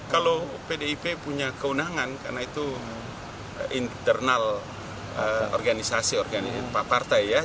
kalau pdip punya keunangan karena itu internal organisasi organisasi partai ya